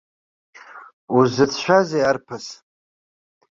Узыцәшәазеи, арԥыс?